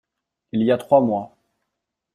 Il y a trois mois.